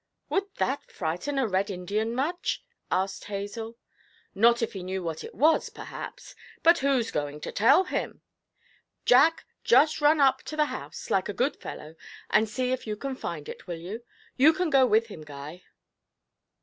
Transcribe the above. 'Would that frighten a Red Indian much?' asked Hazel. 'Not if he knew what it was, perhaps; but who's going to tell him? Jack, just run up to the house, like a good fellow, and see if you can find it, will you? You can go with him, Guy.'